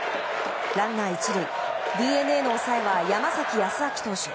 ランナー１塁、ＤｅＮＡの抑えは山崎康晃投手。